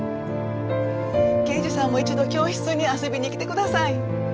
刑事さんも一度教室に遊びに来てください。